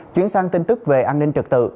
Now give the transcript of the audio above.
chuyển sang tin tức về an ninh trật tự